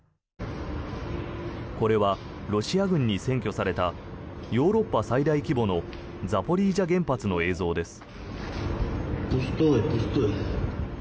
これは、ロシア軍に占拠されたヨーロッパ最大規模のザポリージャ原発の映像です。